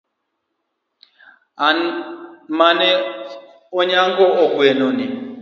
An mane ayang'o gweno ni